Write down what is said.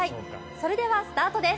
それではスタートです。